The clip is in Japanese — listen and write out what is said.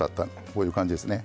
こういう感じですね。